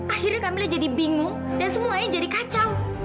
akhirnya kamilah jadi bingung dan semuanya jadi kacau